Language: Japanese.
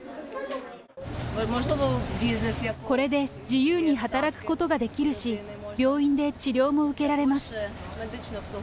これで自由に働くことができるし、病院で治療も受けられます。